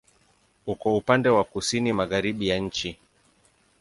Uko upande wa kusini-magharibi ya nchi.